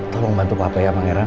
tolong membantu papa ya pangeran